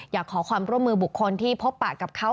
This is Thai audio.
อยากขอความร่วมมือบุคคลที่พบปะกับเขา